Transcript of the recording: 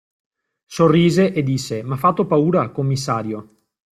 Sorrise e disse: M'ha fatto paura, commissario!